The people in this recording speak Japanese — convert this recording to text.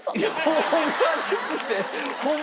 ホンマですって！